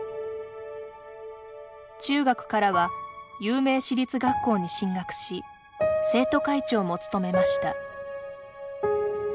中学からは有名私立学校に進学し生徒会長も務めました。